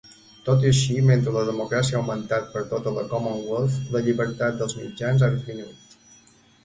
Tot i així, mentre la democràcia ha augmentat per tota la Commonwealth, la llibertat dels mitjans ha disminuït.